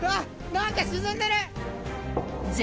何か沈んでる。